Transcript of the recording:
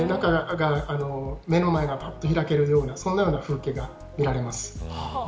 目の前がぱっと開けるようなそんなような風景が見られます。